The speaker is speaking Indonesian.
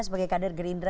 sebagai kader gerindra